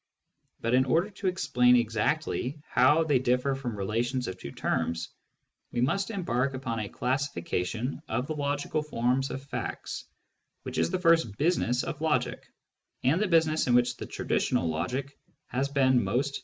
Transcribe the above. But in order to explain exactly how they differ from relations of two terms, we must embark upon a classification of the logical forms of facts, which is the first business of logic, and the business in which the traditional logic has been most deficient.